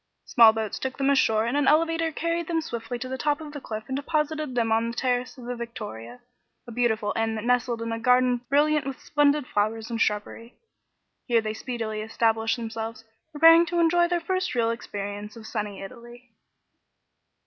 Small boats took them ashore and an elevator carried them swiftly to the top of the cliff and deposited them on the terrace of the Victoria, a beautiful inn that nestled in a garden brilliant with splendid flowers and shrubbery. Here they speedily established themselves, preparing to enjoy their first real experience of "Sunny Italy."